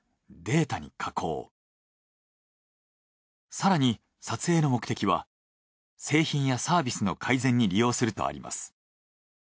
更に撮影の目的は製品やサービスの改善に利用するとあります。